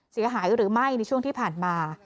เสียหายหรือไม่ในช่วงที่ผ่านมา